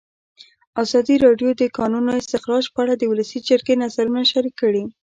ازادي راډیو د د کانونو استخراج په اړه د ولسي جرګې نظرونه شریک کړي.